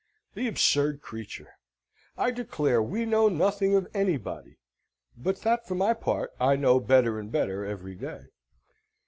The absurd creature! I declare we know nothing of anybody (but that for my part I know better and better every day).